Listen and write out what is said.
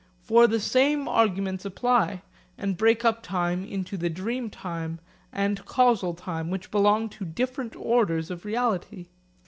For the same arguments apply, and break up time into the dream time and causal time which belong to different orders of reality.